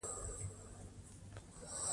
ډاکټره وویل چې د ګټو اندازه کول لا هم محدود دي.